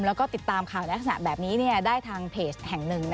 แล้วก็ติดตามข่าวในลักษณะแบบนี้ได้ทางเพจแห่งหนึ่ง